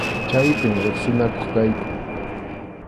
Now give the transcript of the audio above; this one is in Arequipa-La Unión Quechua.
Chaypim riqsinakuq kayku.